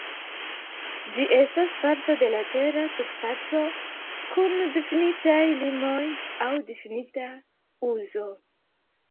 Ĝi estas parto de la tera surfaco, kun difinitaj limoj aŭ difinita uzo.